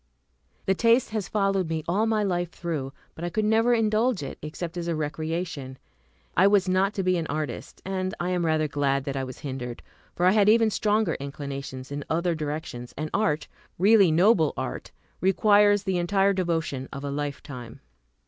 The taste has followed me all my life through, but I could never indulge it except as a recreation. I was not to be an artist, and I am rather glad that I was hindered, for I had even stronger inclinations in other directions; and art, really noble art, requires the entire devotion of a lifetime.